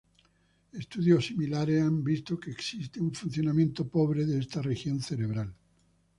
Estudios similares han visto que existe un funcionamiento pobre de esta región cerebral.